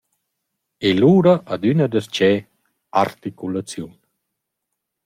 E lura adüna darcheu: Articulaziun.